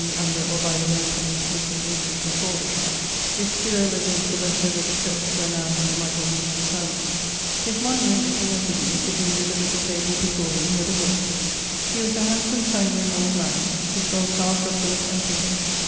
e. under, or by, the Maypole, which was anciently called a shaft. It stood over against the west end of the church, where now Mr. Weekes's howse is. His monument is in effige, sitting with a little table before him, with a booke. He was a handsome sanguine old man. 'Tis well carved (of wood) and painted.